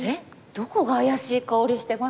どこが怪しい香りしてますか？